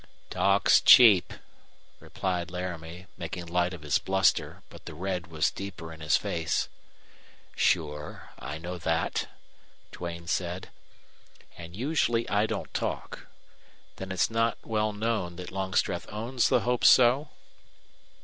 "Talk's cheap," replied Laramie, making light of his bluster, but the red was deeper in his face. "Sure. I know that," Duane said. "And usually I don't talk. Then it's not well known that Longstreth owns the Hope So?"